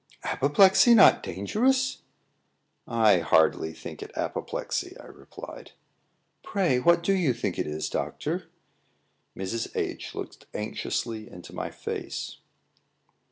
"Apoplexy not dangerous?" "I hardly think it apoplexy," I replied. "Pray, what do you think it is, doctor?" Mrs. H looked anxiously into my face.